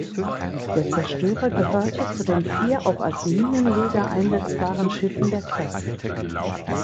Der Zerstörer gehörte zu den vier auch als Minenleger einsetzbaren Schiffen der Klasse.